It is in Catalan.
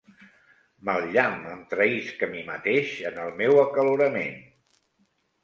Mal llamp! Em traïsc a mi mateix en el meu acalorament!